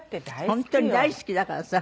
本当に大好きだからさ。